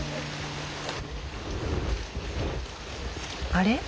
あれ？